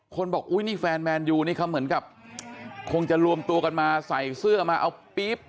คนบอกอุ้ยนี่แฟนแมนยูนี่เขาเหมือนกับคงจะรวมตัวกันมาใส่เสื้อมาเอาปี๊บ